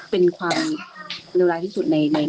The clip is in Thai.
เป็นความเลวร้ายที่สุดใน